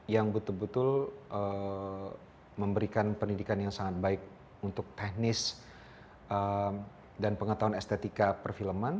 yang betul betul memberikan pendidikan yang sangat baik untuk teknis dan pengetahuan estetika perfilman